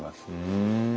ふん。